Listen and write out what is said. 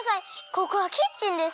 ここはキッチンです。